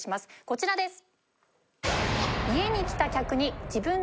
こちらです。